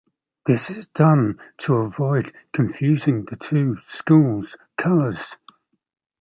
This is done to avoid confusing the two schools' colors.